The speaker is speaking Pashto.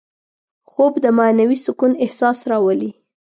خوب د معنوي سکون احساس راولي